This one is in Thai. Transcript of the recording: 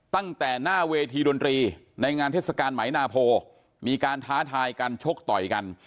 ตั้งแต่หน้าเวทีดนตรีในงานเทศกาลไหมนาโพมีการท้าทายกันชกต่อยกัน